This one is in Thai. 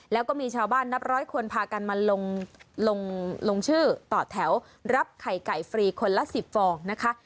แล้วก็มีชาวบ้านนับร้อยคนพากันมาลงชื่อต่อแถวรับไข่ไก่ฟรีคนละ๑๐ฟองนะคะ